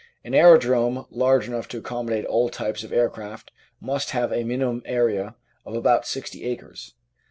An aerodrome large enough to accommodate all types of aircraft must have a minimum area of about sixty acres.